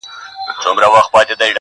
نن بيا يوې پيغلي په ټپه كـي راتـه وژړل.